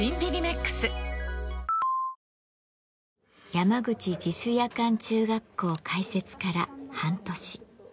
山口自主夜間中学校開設から半年。